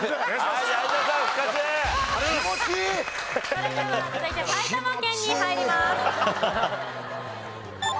それでは続いて埼玉県に入ります。